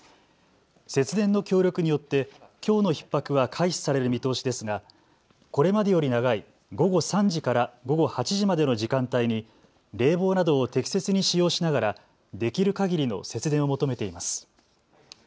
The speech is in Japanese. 節電の協力によって、きょうのひっ迫は回避される見通しですがこれまでより長い午後３時から午後８時までの時間帯に冷房などを適切に使用しながらできるかぎりの節電を求めています。